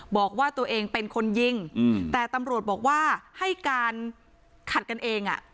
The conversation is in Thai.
บอกว่าตัวเองเป็นคนยิงแต่ตำรวจบอกว่าให้การขัดกันเองอ่ะ